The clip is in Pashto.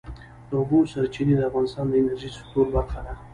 د اوبو سرچینې د افغانستان د انرژۍ سکتور برخه ده.